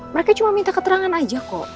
mereka cuma minta keterangan aja kok